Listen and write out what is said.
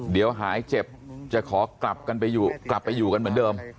เดี๋ยวหายเจ็บจะขอกลับกันไปอยู่กลับไปอยู่กันเหมือนเดิม